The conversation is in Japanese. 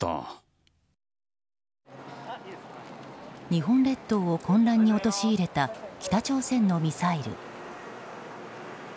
日本列島を混乱に陥れた北朝鮮のミサイル。